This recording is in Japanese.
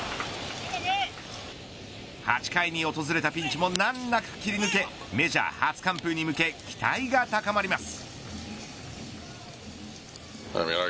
８回に訪れたピンチも難なく切り抜けメジャー初完封に向け期待が高まります。